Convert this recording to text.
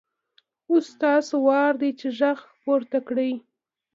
اوس ستاسو وار دی چې غږ پورته کړئ.